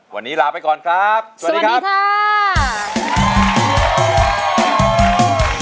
วันนี้ลาไปก่อนครับสวัสดีครับสวัสดีค่ะสวัสดีค่ะ